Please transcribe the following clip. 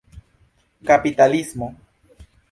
kapitalismo